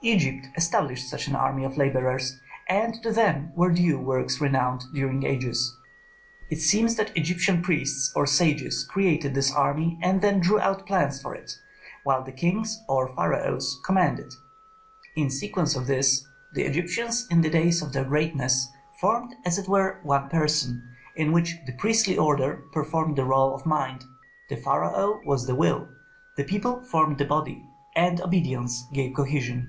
Egypt established such an army of laborers, and to them were due works renowned during ages. It seems that Egyptian priests or sages created this army and then drew out plans for it, while the kings, or pharaohs, commanded. In consequence of this the Egyptians in the days of their greatness formed as it were one person, in which the priestly order performed the rôle of mind, the pharaoh was the will, the people formed the body, and obedience gave cohesion.